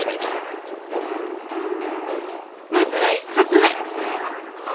まずは１冊目。